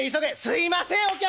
「すいませんお客様。